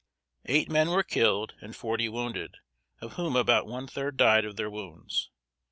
Eight men were killed and forty wounded, of whom about one third died of their wounds.